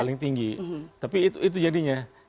paling tinggi tapi itu jadinya